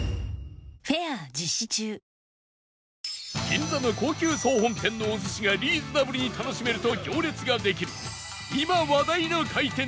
銀座の高級総本店のお寿司がリーズナブルに楽しめると行列ができる今話題の廻転